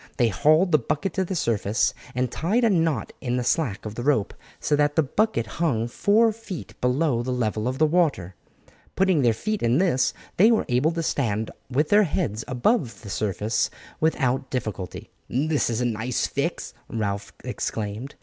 They hauled the bucket to the surface and tied a knot in the slack of the rope, so that the bucket hung four feet below the level of the water. Putting their feet in this, they were able to stand with their heads above the surface without difficulty. "This is a nice fix," Ralph exclaimed.